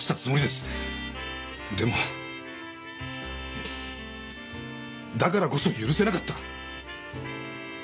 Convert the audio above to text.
いやだからこそ許せなかった。